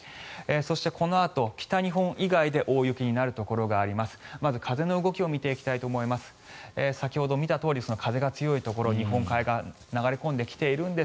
そして、このあと北日本以外で大雪になるところがあります。